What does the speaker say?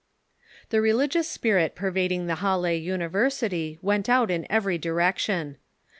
The religious spirit pervading the Ilalle University went out in every direction.